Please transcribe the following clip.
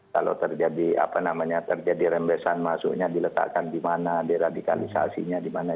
kalau terjadi apa namanya terjadi rembesan masuknya diletakkan di mana deradikalisasinya di mana